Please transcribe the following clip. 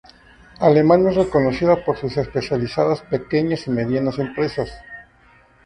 Alemania es reconocida por sus especializadas pequeñas y medianas empresas.